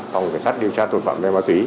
phòng kiểm soát điều tra tội phạm ma túy